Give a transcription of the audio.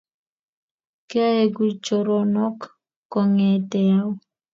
Kyoegu choronok kongeete au?